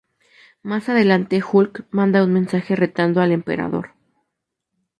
Más adelante Hulk manda un mensaje retando al emperador.